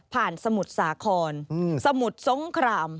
ผ่านสมุดสาครสมุดสงคราม